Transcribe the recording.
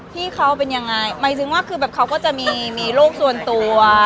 พี่เขาเป็นยังไงหมายถึงว่าคือแบบเขาก็จะมีโรคส่วนตัว